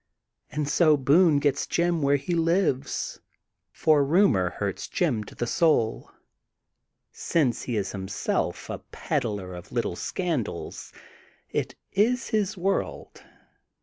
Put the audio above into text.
And so Boone gets Jim where he lives/' for rumor hurts Jim to the soul. Since he is him self a peddler of little scandals, it is his world.